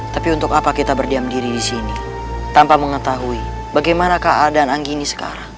tapi untuk apa kita berdiam diri disini tanpa mengetahui bagaimana keadaan anggi ini sekarang